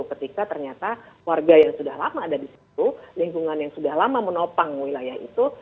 ketika ternyata warga yang sudah lama ada di situ lingkungan yang sudah lama menopang wilayah itu